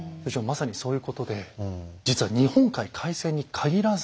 まさにそういうことで実は日本海海戦に限らず。